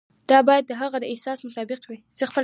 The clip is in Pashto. دا باید د هغه د احساس مطابق وي.